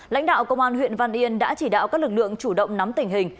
lãnh đạo công an huyện văn yên đã chỉ đạo các lực lượng chủ động nắm tình hình